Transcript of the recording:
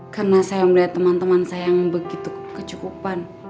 karena saya udah teman teman sayang begitu kecukupan